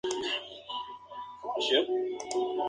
Disputa sus partidos como local en el Estadio Spartak de Bishkek.